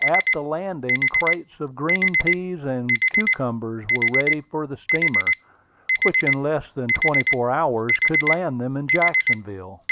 At the landing, crates of green peas and cucumbers were ready for the steamer, which in less than twenty four hours could land them in Jacksonville.